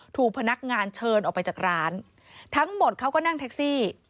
ถูกพนักงานเชิญออกไปจากร้านทั้งหมดเขาก็นั่งแท็กซี่